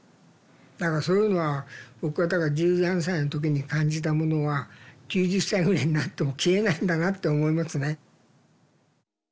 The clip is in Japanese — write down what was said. だからそういうのは僕は十何歳の時に感じたものは９０歳ぐらいになっても消えないんだなって思いますね。